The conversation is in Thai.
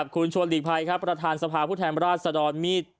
ขอบคุณชัวร์หลีกภัยครับประธานสภาพุทธแห่งราชสะดรมีด